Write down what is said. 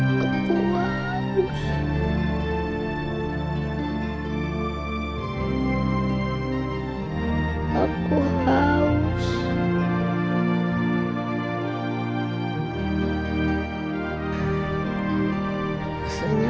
tapi aku takut sama mama